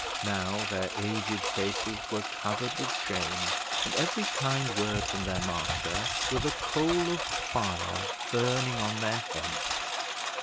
Now their aged faces were covered with shame, and every kind word from their master was a coal of fire burning on their heads.